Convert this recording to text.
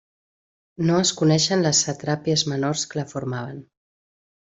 No es coneixen les satrapies menors que la formaven.